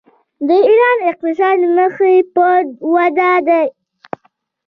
د ایران اقتصاد مخ په وده دی.